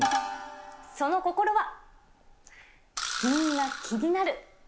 その心は、みんな気になる。